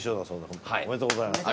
本当おめでとうございます。